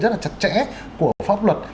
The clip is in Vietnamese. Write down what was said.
rất là chặt chẽ của pháp luật